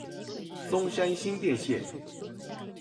松山新店線